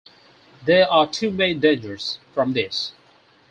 There are two main dangers from this.